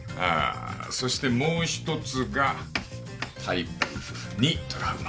そしてもう１つがタイプ２トラウマ。